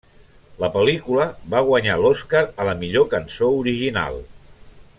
La pel·lícula va guanyar l'Oscar a la millor cançó original.